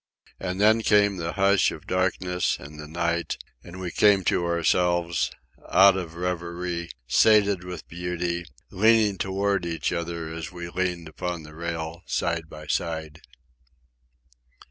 And then came the hush of darkness and the night, and we came to ourselves, out of reverie, sated with beauty, leaning toward each other as we leaned upon the rail side by side.